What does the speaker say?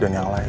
dan yang lain